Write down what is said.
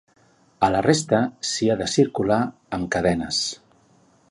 A la resta s’hi ha de circular amb cadenes.